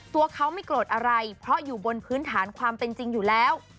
ตัวเขาไม่โกรธอะไรเพราะอยู่บนพื้นฐานความเป็นจริงอยู่แล้ว